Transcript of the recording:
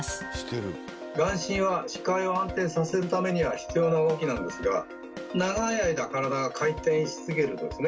「眼振」は視界を安定させるためには必要な動きなんですが長い間体が回転し続けるとですね